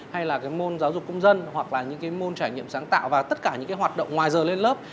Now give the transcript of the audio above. hay là cái môn giáo dục công dân hoặc là những cái môn trải nghiệm sáng tạo và tất cả những cái hoạt động ngoài giờ lên lớp